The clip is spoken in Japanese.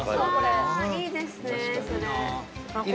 いいですね、それ。